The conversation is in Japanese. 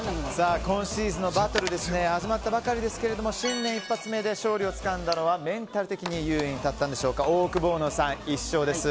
今シーズンのバトル始まったばかりですけども新年一発目で勝利をつかんだのはメンタル的に有利に立ったんでしょうかオオクボーノさん、１勝です。